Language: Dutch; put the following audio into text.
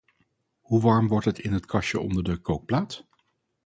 Hoe warm wordt het in het kastje onder de kookplaat?